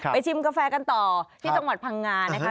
ชิมกาแฟกันต่อที่จังหวัดพังงานะคะ